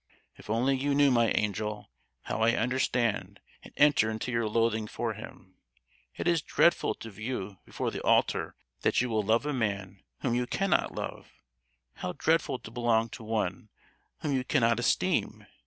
"If only you knew, my angel, how I understand and enter into your loathing for him! It is dreadful to vow before the altar that you will love a man whom you cannot love—how dreadful to belong to one whom you cannot esteem!